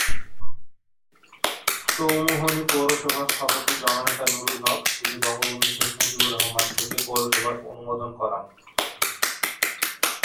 চৌমুহনী পৌরসভার স্থপতি জননেতা নুরুল হক, তিনি বঙ্গবন্ধু শেখ মুজিবুর রহমান থেকে পৌরসভার অনুমোদন করান।